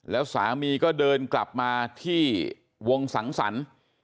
แล้วสามีก็เดินกลับมาที่วงสังสรรค์